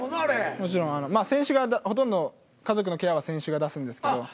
もちろんほとんど家族のケアは選手が出すんですけど。